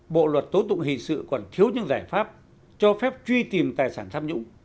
bộ luật tố tụng hình sự còn thiếu những giải pháp cho phép truy tìm tài sản tham nhũng